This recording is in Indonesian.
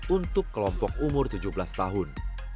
untuk kelompok umur tujuh belas tahun